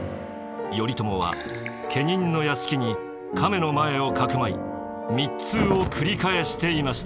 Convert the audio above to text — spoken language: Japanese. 頼朝は家人の屋敷に亀の前をかくまい密通を繰り返していました。